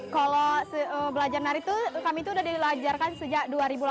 kalau belajar dari itu kami itu sudah dilajarkan sejak dua ribu delapan belas